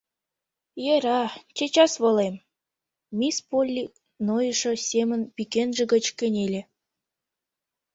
— Йӧра, чечас волем, — мисс Полли нойышо семын пӱкенже гыч кынеле.